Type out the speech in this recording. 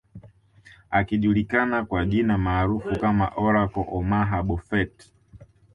Akijulikana kwa jina maarufu kama Oracle Omaha Buffet